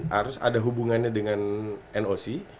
harus ada hubungannya dengan noc